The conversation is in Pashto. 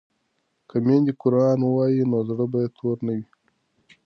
که میندې قران ووايي نو زړه به تور نه وي.